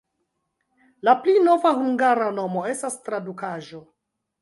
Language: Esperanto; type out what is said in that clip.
La pli nova hungara nomo estas tradukaĵo.